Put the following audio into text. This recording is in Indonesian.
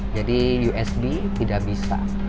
jadi usb tidak bisa